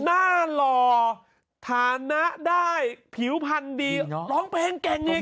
หล่อฐานะได้ผิวพันธุ์ดีร้องเพลงเก่งเอง